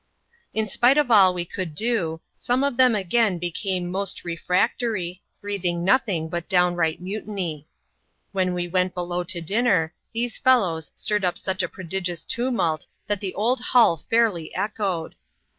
In spite of all we could do, some of them again became most refractory, breathing nothing but downright mutiny. When we went below to dinner, these fellows stirred up such a prodigious tumult that the old hull fairly echoed.